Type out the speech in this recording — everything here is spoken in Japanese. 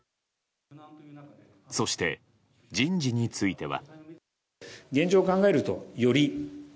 そして、人事については。